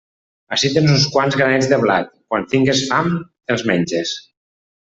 Ací tens uns quants granets de blat; quan tingues fam te'ls menges.